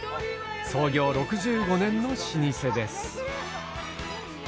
創業６５年の老舗です。